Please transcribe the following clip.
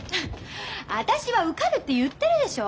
私は受かるって言ってるでしょ？